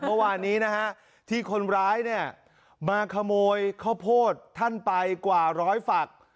เมื่อวันนี้ที่คนร้ายมาขโมยข้าวโพสที่ไปกว่าร้อยฝัก